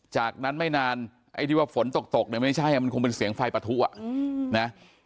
จากนั้นไม่นานไอ้ที่ว่าฝนตกตกเนี่ยไม่ใช่มันคงเป็นเสียงไฟปะทุอ่ะนะ